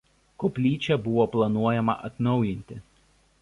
Koplyčią buvo planuojama atnaujinti.